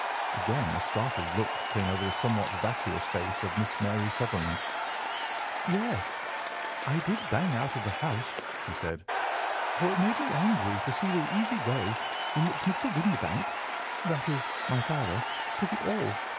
Again a startled look came over the somewhat vacuous face of Miss Mary Sutherland. "Yes, I did bang out of the house," she said, "for it made me angry to see the easy way in which Mr. Windibank—that is, my father—took it all.